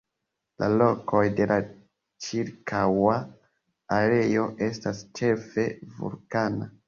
La rokoj de la ĉirkaŭa areo estas ĉefe vulkana.